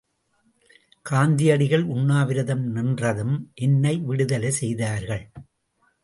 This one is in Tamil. காந்தியடிகள் உண்ணாவிரதம் நின்றதும் என்னை விடுதலை செய்தார்கள்.